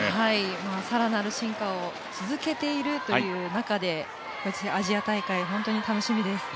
更なる進化を続けているという中でアジア大会、本当に楽しみです。